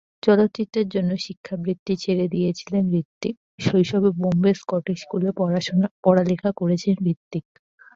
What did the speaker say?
চলচ্চিত্রের জন্য শিক্ষাবৃত্তি ছেড়ে দিয়েছিলেন হৃতিকশৈশবে বোম্বে স্কটিশ স্কুলে পড়ালেখা করেছেন হৃতিক।